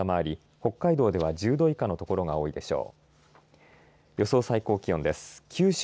北海道では１０度以下の所が多いでしょう。